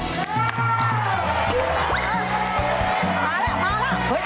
เฮ้ยตายหมด